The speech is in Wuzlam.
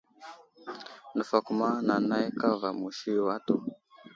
Nəfakuma nanay kava musi yo atu.